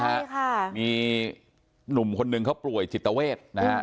ใช่ค่ะมีหนุ่มคนหนึ่งเขาป่วยจิตเวทนะฮะ